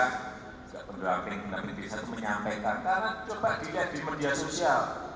tidak pedulang tidak pedulang bisa menyampaikan karena coba dilihat di media sosial